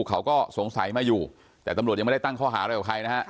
เขาก็สงสัยมาอยู่แต่ตำรวจยังไม่ได้ตั้งข้อหาอะไรกับใครนะฮะ